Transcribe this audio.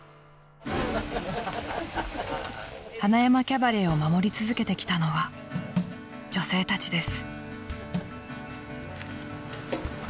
［塙山キャバレーを守り続けてきたのは女性たちです］